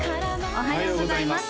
おはようございます